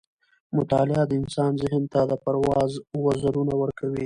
مطالعه د انسان ذهن ته د پرواز وزرونه ورکوي.